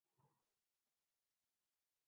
خود ہی تحقیقاتی کمیشن کا ذکر چھیڑا۔